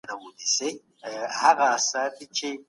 د مسکو فارمټ غونډې د افغانستان لپاره څه ګټه لري؟